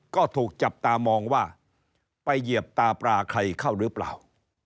ก็ถูกจับตามองว่าไปเหยียบตาปลาใครเข้าหรือเปล่า